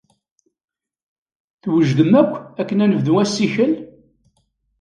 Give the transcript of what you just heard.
Twejdem akk akken ad nebdu assikel?